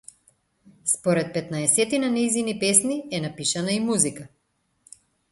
Според петнаесетина нејзини песни е напишана и музика.